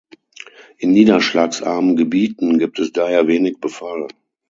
In niederschlagsarmen Gebieten gibt es daher wenig Befall.